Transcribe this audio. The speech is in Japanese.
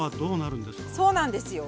そうなんですよ。